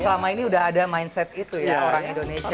selama ini udah ada mindset itu ya orang indonesia